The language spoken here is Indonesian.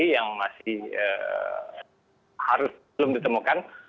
yang masih belum ditemukan